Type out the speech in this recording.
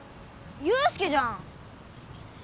祐介じゃん。